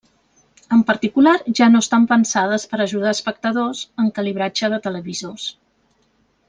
En particular, ja no estan pensades per ajudar espectadors en calibratge de televisors.